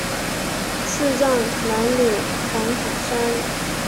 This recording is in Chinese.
赐葬南柳黄府山。